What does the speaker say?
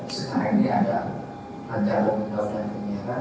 sekarang ini ada jalan muda muda penyiaran